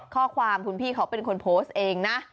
ข้อความคุณพี่เขาเป็นคนโพสต์เองนะ